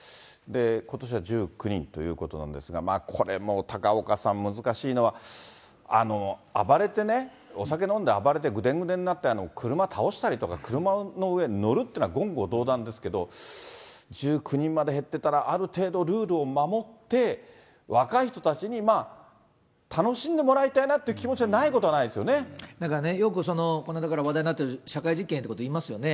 ことしは１９人ということなんですが、これも高岡さん、難しいのは、暴れてね、お酒飲んで暴れてぐでんぐでんになって、車倒したりとか、車の上に乗るっていうのは言語道断ですけど、１９人まで減ってたら、ある程度、ルールを守って、若い人たちに楽しんでもらいたいなっていう気持ちはないことはなだからね、よくこの間から話題になってる社会実験ということいいますよね。